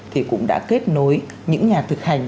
thì cũng đã kết nối những nhà thực hành